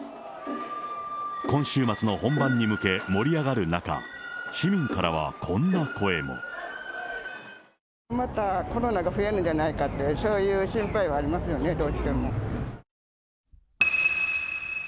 今週末の本番に向け、盛り上がる中、またコロナが増えるんじゃないかっていう、そういう心配はありますよね、どうしても。